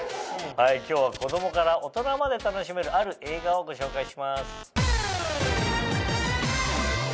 今日は子供から大人まで楽しめるある映画をご紹介します。